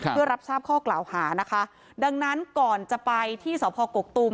เพื่อรับทราบข้อกล่าวหานะคะดังนั้นก่อนจะไปที่สพกกตูม